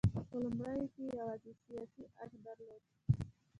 په لومړیو کې یې یوازې سیاسي اړخ درلود.